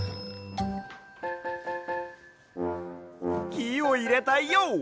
きをいれたＹＯ！